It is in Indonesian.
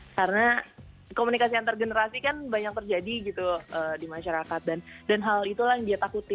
karena komunikasi antargenerasi kan banyak terjadi gitu di masyarakat dan hal itulah yang dia takutin